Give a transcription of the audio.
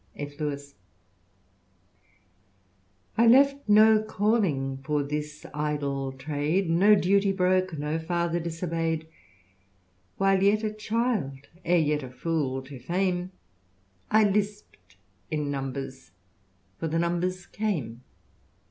F. Lewt " I left no calling for this idle trade ; No duty broke, no father disobey'd ; While yet a child, ere yet a fool to fame, I lisp'd in numbers, for the numbers came."